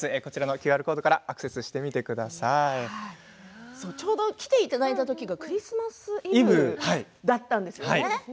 ＱＲコードからちょうど来ていただいた時がクリスマスイブだったんですよね。